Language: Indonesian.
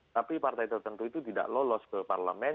tapi partai tertentu itu tidak lolos ke parlemen